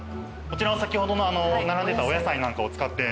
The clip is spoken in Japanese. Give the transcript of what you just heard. こちらは先ほどの並んでたお野菜なんかを使って。